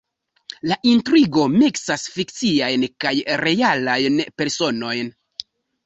La intrigo miksas fikciajn kaj realajn personojn.